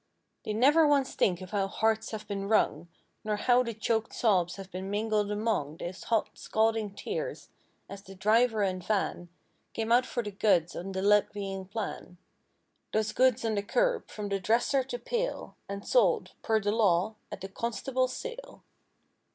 They never once think of how hearts have been wrung; Nor how the choked sobs have been mingled among Those hot, scalding tears as the driver and van Came out for the goods on the "levying" plan— Those goods on the curb, from the dresser to pail, And sold, per the law, at the "Constable's Sale."